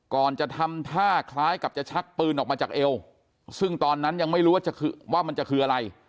ก่อนจะทำท่าคล้ายกับจะชักปืนออกมาจากเอวซึ่งตอนนั้นยังไม่รู้ว่ามันจะคืออะไร